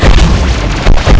kita tak bisa menjatuhi kilang